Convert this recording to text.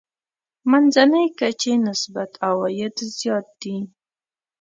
منځنۍ کچې نسبت عوايد زیات دي.